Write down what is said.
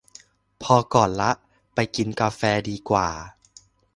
พอก่อนละ ไปกินกาแฟดีกว่า